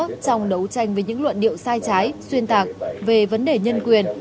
trong đấu tranh với những luận điệu sai trái xuyên tạc về vấn đề nhân quyền